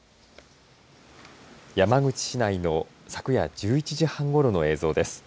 山口市内の昨夜１１時半ごろの映像です。